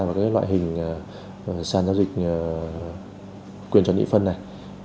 vào các loại hình sàn giao dịch quyền chuẩn địa phân này